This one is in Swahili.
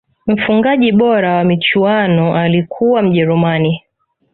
mfungaji bora wa michuano alikuwa mjerumani